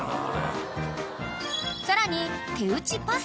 ［さらに］